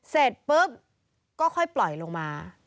เสร็จปุ๊บก็ค่อยปล่อยลงมา